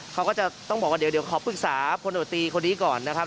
เขาก็จะต้องบอกว่าเดี๋ยวขอปรึกษาพลโดตีคนนี้ก่อนนะครับ